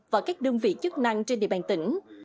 và các đơn vị chức năng trên địa bàn tỉnh